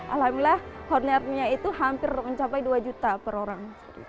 alhamdulillah horlernya itu hampir mencapai dua juta per orang